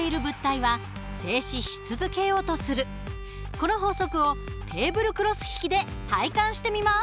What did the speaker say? この法則をテーブルクロス引きで体感してみます。